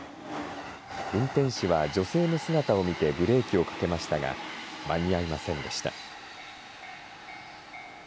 運転士は女性の姿を見てブレーキをかけましたが、間に合いませんでした。